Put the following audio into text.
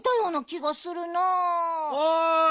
おい。